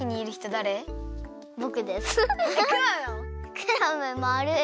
クラムまるい。